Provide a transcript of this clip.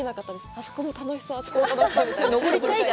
あそこも楽しそう、あそこも楽しそうみたいな。